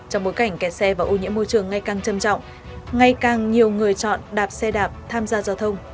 trong bối cảnh kẹt xe và ô nhiễm môi trường ngày càng châm trọng ngay càng nhiều người chọn đạp xe đạp tham gia giao thông